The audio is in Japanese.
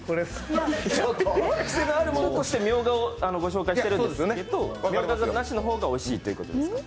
癖のあるものとしてミョウガを御紹介しているんですけど、ミョウガがなしの方がおいしいということですか。